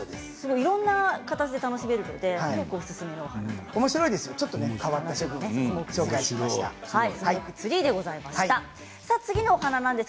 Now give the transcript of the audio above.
いろんな形で楽しめておすすめのお花です。